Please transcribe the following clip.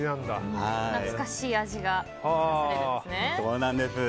懐かしい味がするんですね。